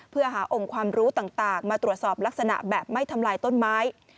เพื่อหาองค์ความรู้ต่างมาตรวจสอบลักษณะแบบไม่ทำลายต้นไม้